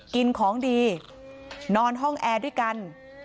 กินของดีนอนห้องแอร์ด้วยกัน